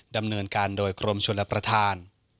ดำเนินการโดยกรมชลประธาน